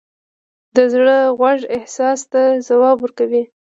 د زړه غوږ احساس ته ځواب ورکوي.